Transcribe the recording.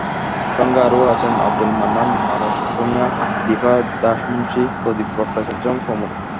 সঙ্গে আরও আছেন আবদুল মান্নান, মানস ভূঁইয়া, দীপা দাশমুন্সী, প্রদীপ ভট্টাচার্য প্রমুখ।